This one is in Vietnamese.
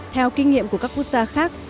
theo kinh nghiệm của các quốc gia khác